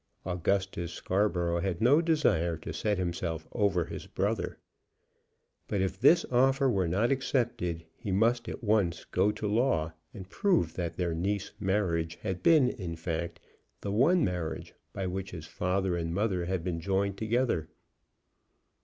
Augustus Scarborough had no desire to set himself over his brother. But if this offer were not accepted, he must at once go to law, and prove that their Nice marriage had been, in fact, the one marriage by which his father and mother had been joined together.